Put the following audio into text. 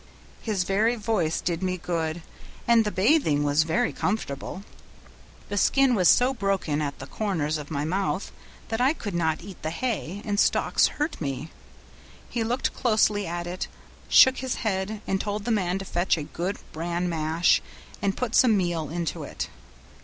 His very voice did me good, and the bathing was very comfortable. The skin was so broken at the corners of my mouth that I could not eat the hay, the stalks hurt me. He looked closely at it, shook his head, and told the man to fetch a good bran mash and put some meal into it.